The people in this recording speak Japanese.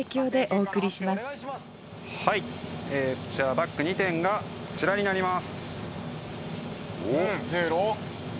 バッグ２点がこちらになります。